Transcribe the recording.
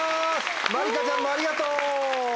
まりかちゃんもありがとう。